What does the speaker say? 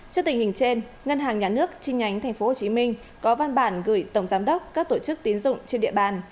trước tình hình trên ngân hàng nhà nước chi nhánh tp hcm có văn bản gửi tổng giám đốc các tổ chức tín dụng trên địa bàn